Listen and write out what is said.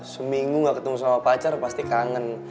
seminggu gak ketemu sama pacar pasti kangen